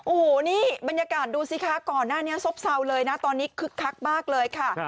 โอ้โหนี่บรรยากาศดูสิคะก่อนหน้านี้ซบเศร้าเลยนะตอนนี้คึกคักมากเลยค่ะ